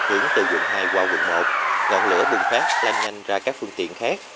hướng từ vùng hai qua vùng một ngọn lửa bùng phát lanh nhanh ra các phương tiện khác